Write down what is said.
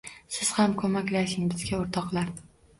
Siz ham ko’maklashing bizga, o’rtoqlar!